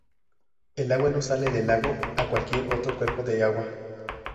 El agua no sale del lago a cualquier otro cuerpo de agua.